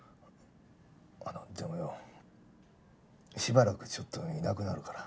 あのでもよしばらくちょっといなくなるから。